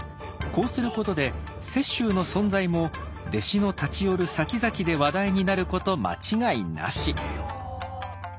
こうすることで雪舟の存在も弟子の立ち寄るさきざきで話題になること間違いなし。